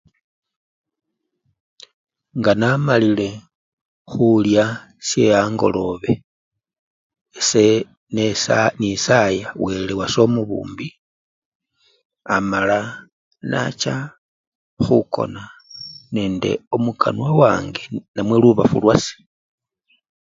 Nga namalile khulya she-angolobe ese nesa-nisaya wele wase omubumbi amala nacha khukona nende omukanwa wange namwe lubafu lwase.